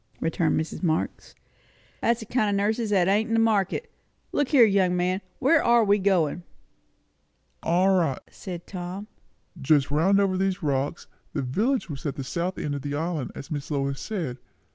returned Mrs. Marx. "That's a kind o' nurses that ain't in the market. Look here, young man where are we going?" "All right," said Tom. "Just round over these rocks. The village was at the south end of the island, as Miss Lois said.